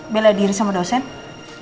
bela diri sama dosen